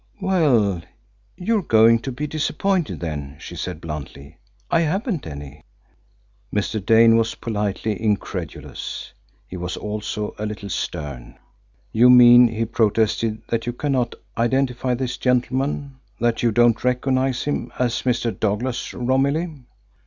"Well, you're going to be disappointed, then," she said bluntly. "I haven't any." Mr. Dane was politely incredulous. He was also a little stern. "You mean," he protested, "that you cannot identify this gentleman that you don't recognise him as Mr. Douglas Romilly?"